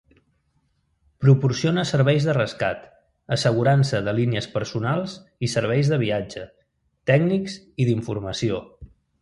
Proporciona serveis de rescat, assegurança de línies personals i serveis de viatge, tècnics i d'informació.